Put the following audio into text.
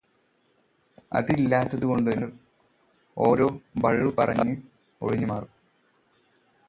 അതില്ലാത്തത് കൊണ്ടു നിങ്ങൾ ഓരോ ഭള്ളു പറഞ്ഞ് ഒഴിഞ്ഞു മാറും.